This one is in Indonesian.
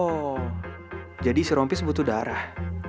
oh jadi si rompis butuh darah